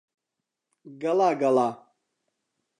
گەڵا گەڵا